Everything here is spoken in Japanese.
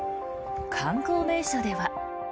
観光名所では。